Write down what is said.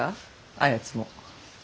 あやつも。